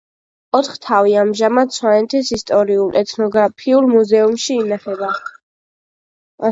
ოთხთავი ამჟამად სვანეთის ისტორიულ-ეთნოგრაფიულ მუზეუმში ინახება.